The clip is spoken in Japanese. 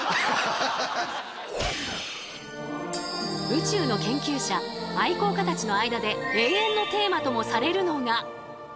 宇宙の研究者愛好家たちの間で永遠のテーマともされるのが。